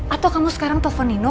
atau kamu sekarang telepon nino